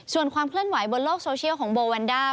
ส่วนความเคลื่อนไหวบนโลกโซเชียลของโบวันด้า